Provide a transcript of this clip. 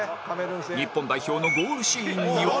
日本代表のゴールシーンには